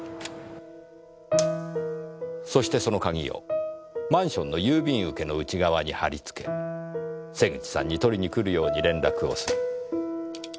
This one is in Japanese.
そしてその鍵をマンションの郵便受けの内側に貼り付け瀬口さんに取りに来るように連絡をする。